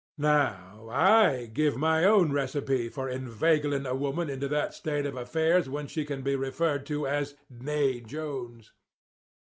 "Now, I give you my own recipe for inveigling a woman into that state of affairs when she can be referred to as 'née Jones.